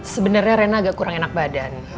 sebenarnya rena agak kurang enak badan